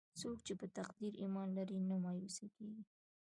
څوک چې په تقدیر ایمان لري، نه مایوسه کېږي.